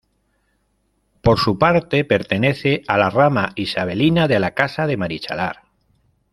Por su parte, pertenece a la rama isabelina de la Casa de Marichalar.